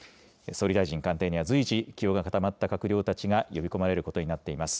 総理大臣官邸には随時、起用が固まった閣僚たちが呼び込まれることになっています。